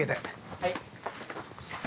はい。